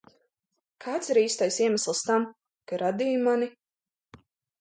Kāds ir īstais iemesls tam, ka radīji mani?